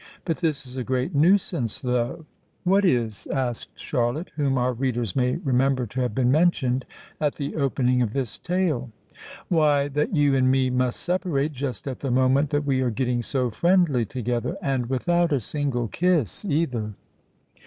But this is a great nuisance, though." "What is?" asked Charlotte, whom our readers may remember to have been mentioned at the opening of this tale. "Why—that you and me must separate just at the moment that we are getting so friendly together—and without a single kiss, either."